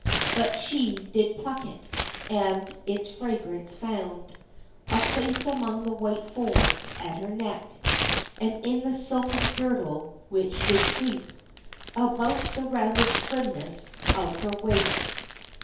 But she did pluck it, and its fragrance found A place among the white folds at her neck, And in the silken girdle which did creep About the rounded slimness of her waist.